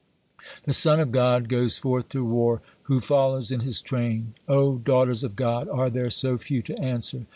"The Son of God goes forth to war, who follows in his train? Oh, daughters of God, are there so few to answer?"